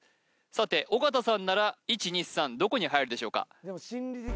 さて尾形さんなら１２３どこに入るでしょうか？